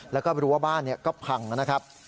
แล้วก็รั้วบ้านก็พังนะครับ